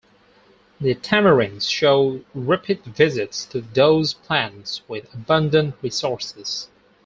The tamarins show repeat visits to those plants with abundant resources.